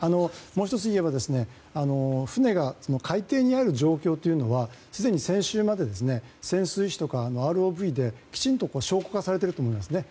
もう１つ言えば船が海底にある状況というのはすでに先週まで潜水士とかＲＯＶできちんと証拠化されていると思うんですね。